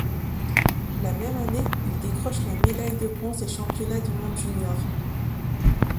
La même année, il décroche la médaille de bronze des championnats du monde junior.